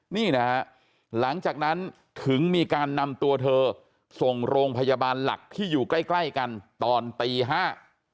นี่นะฮะหลังจากนั้นถึงมีการนำตัวเธอส่งโรงพยาบาลหลักที่อยู่ใกล้ใกล้กันตอนตีห้า